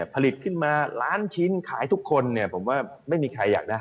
ผลิตขึ้นมาล้านชิ้นขายทุกคนเนี่ยผมว่าไม่มีใครอยากได้